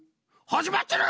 はじまってる！